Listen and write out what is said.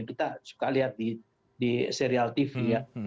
kita suka lihat di serial tv ya